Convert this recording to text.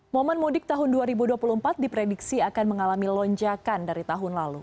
momen mudik tahun dua ribu dua puluh empat diprediksi akan mengalami lonjakan dari tahun lalu